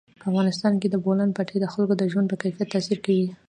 په افغانستان کې د بولان پټي د خلکو د ژوند په کیفیت تاثیر کوي.